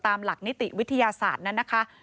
ตามหลักนิติวิทยาศาสตร์นั้นนะคะ